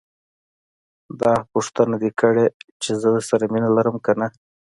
داح پوښتنه دې کړې چې زه درسره مينه لرم که نه.